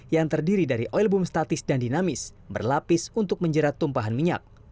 yang terdiri dari oil boom statis dan dinamis berlapis untuk menjerat tumpahan minyak